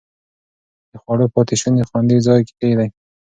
د خوړو پاتې شوني خوندي ځای کې کېږدئ.